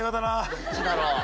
どっちだろう。